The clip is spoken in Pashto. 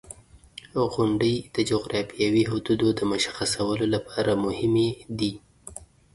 • غونډۍ د جغرافیوي حدودو د مشخصولو لپاره مهمې دي.